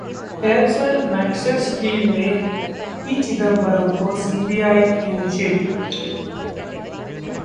Aircel-Maxis deal में P Chidambaram को CBI clean chit!